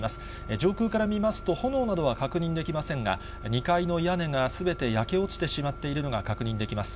上空から見ますと、炎などは確認できませんが、２階の屋根がすべて焼け落ちてしまっているのが確認できます。